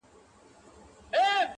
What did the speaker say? طبيب هغه دئ، چي پر ورغلي وي.